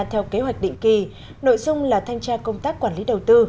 theo kế hoạch định kỳ nội dung là thanh tra công tác quản lý đầu tư